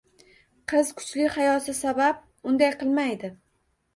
Qiz kuchli hayosi sabab unday qilmaydi.